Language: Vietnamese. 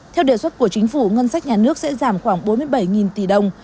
theo đề xuất của chính phủ ngân sách nhà nước sẽ giảm khoảng bốn mươi bảy tỷ đồng